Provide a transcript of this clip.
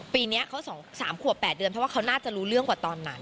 ปีนี้เขา๒๓ขวบ๘เดือนเพราะว่าเขาน่าจะรู้เรื่องกว่าตอนนั้น